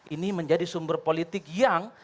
ini menjadi sumber politik yang